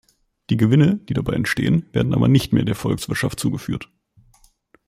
Die Gewinne, die dabei entstehen, werden aber nicht mehr der Volkswirtschaft zugeführt.